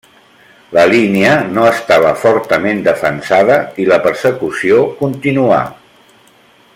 La línia no estava fortament defensada, i la persecució continuà.